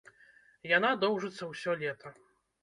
Яна доўжыцца ўсё лета.